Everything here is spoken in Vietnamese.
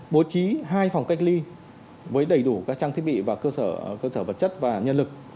bố trí hai phòng cách ly với đầy đủ các trang thiết bị và cơ sở cơ sở vật chất và nhân lực